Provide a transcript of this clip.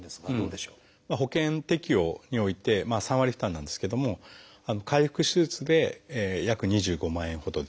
保険適用において３割負担なんですけども開腹手術で約２５万円ほどで。